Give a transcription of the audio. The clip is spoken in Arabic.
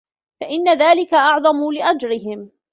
فَإِنَّ ذَلِكَ أَعْظَمُ لِأَجْرِهِمْ